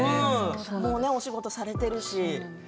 もうお仕事されているし。